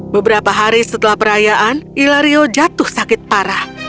beberapa hari setelah perayaan ilario jatuh sakit parah